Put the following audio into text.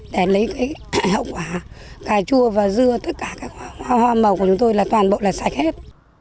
để lấy cái hậu quả cà chua và dưa tất cả các hoa màu của chúng tôi là toàn bộ là sạch hết